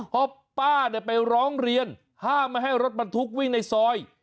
เพราะป้าไปร้องเรียนห้ามไม่ให้รถบรรทุกวิ่งในซอย